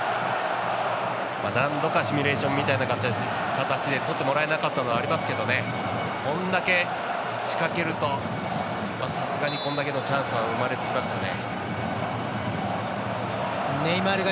何度かシミュレーションのようにとってもらえなかったのがありましたけどねこんだけ仕掛けるとさすがに、こんだけのチャンスが生まれてきますよね。